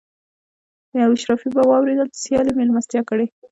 یو اشرافي به واورېدل چې سیال یې مېلمستیا کړې.